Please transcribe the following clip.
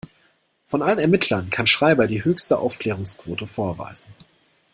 Von allen Ermittlern kann Schreiber die höchste Aufklärungsquote vorweisen.